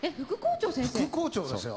副校長ですよ。